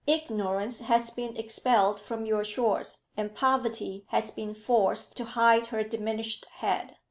Ignorance has been expelled from your shores, and poverty has been forced to hide her diminished head."